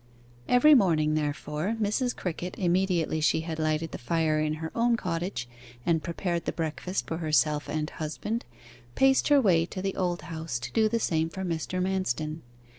Every morning, therefore, Mrs. Crickett, immediately she had lighted the fire in her own cottage, and prepared the breakfast for herself and husband, paced her way to the Old House to do the same for Mr. Manston.